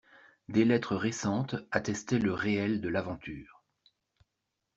Des lettres récentes attestaient le réel de l'aventure.